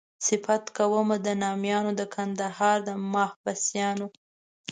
صفت کومه د نامیانو د کندهار د محبسیانو.